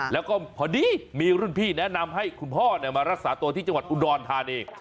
แล้วก็พอดีมีรุ่นพี่แนะนำให้คุณพ่อมารักษาตัวที่จังหวัดอุดรธานี